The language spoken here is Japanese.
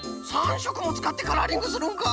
３しょくもつかってカラーリングするんか！